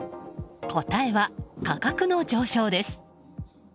答えは価格の上昇です。